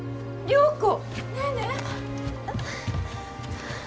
良子。